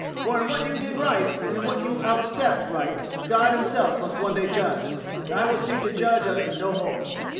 For in what you did right and in what you outstepped right, God Himself must one day judge, and I will seek to judge of it no more."